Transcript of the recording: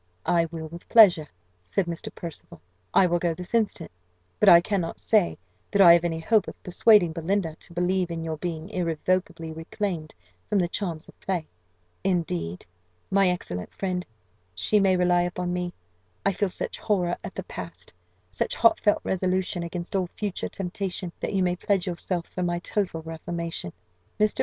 "I will with pleasure," said Mr. Percival; "I will go this instant: but I cannot say that I have any hope of persuading Belinda to believe in your being irrevocably reclaimed from the charms of play." "Indeed, my excellent friend, she may rely upon me: I feel such horror at the past, such heartfelt resolution against all future temptation, that you may pledge yourself for my total reformation." Mr.